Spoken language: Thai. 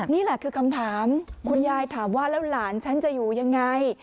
นี่แหละคือคำถามคุณยายถามว่าแล้วหลานฉันจะอยู่ยังไง